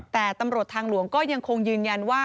แต่ตำรวจทางหลวงก็ยังคงยืนยันว่า